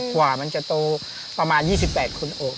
กว่ามันจะโตประมาณ๒๘คนโอบ